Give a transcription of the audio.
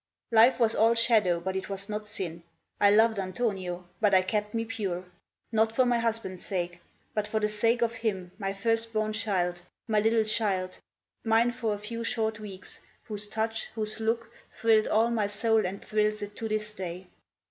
Life was all shadow, but it was not sin! I loved Antonio, but I kept me pure, Not for my husband's sake, but for the sake Of him, my first born child, my little child, Mine for a few short weeks, whose touch, whose look Thrilled all my soul and thrills it to this day.